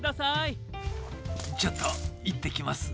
ちょっといってきます。